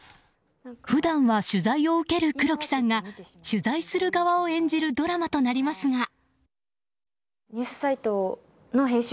普段は取材を受ける黒木さんが取材する側を演じるドラマとなりますが。